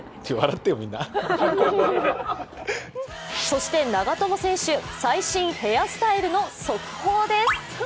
そして長友選手、最新ヘアスタイルの速報です。